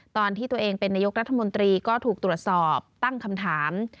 ตอนที่ตัวเองเป็นนายกรัฐมนตรีก็ถูกตรวจสอบตั้งคำถาม